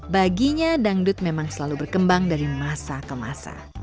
baginya dangdut memang selalu berkembang dari masa ke masa